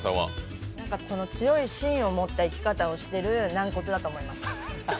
強い芯を持った生き方をしている軟骨だと思います。